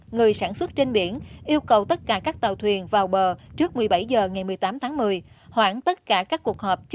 người sản xuất trên biển yêu cầu tất cả các tàu thuyền vào bờ trước một mươi bảy h ngày một mươi tám tháng một mươi